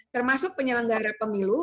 termasuk penyelenggara pemilu